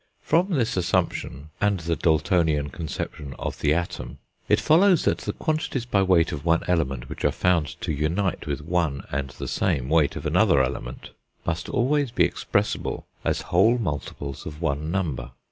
From this assumption, and the Daltonian conception of the atom, it follows that the quantities by weight of one element which are found to unite with one and the same weight of another element must always be expressible as whole multiples of one number.